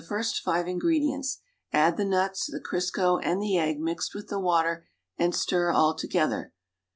st five ingredients; add the nuts, the Crisco and the egg mixed with the water and stir all together.